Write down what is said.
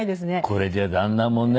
これじゃ旦那もね